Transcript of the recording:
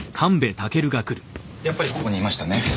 やっぱりここにいましたね。